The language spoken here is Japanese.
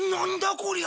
こりゃ。